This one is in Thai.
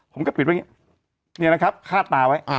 ผมก็ปิดไว้อย่างนี้เนี่ยนะครับคาดตาไว้